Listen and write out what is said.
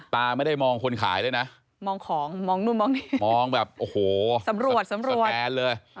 ตาไม่ได้มองคนขายเลยนะมองของมองนู่นมองนี่มองแบบโอ้โหสำรวจสำรวจแฟนเลย